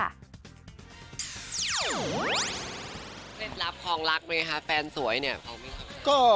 เรียนรับของรักไหมคะแฟนสวยเนี่ย